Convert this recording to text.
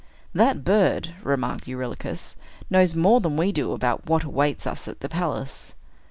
"That bird," remarked Eurylochus, "knows more than we do about what awaits us at the palace."